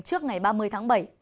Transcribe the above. trước ngày ba mươi tháng bảy